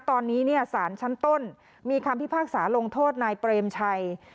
ตอนนี้สารชั้นต้นมีคำพิพากษาลงโทษนายเปรมชัย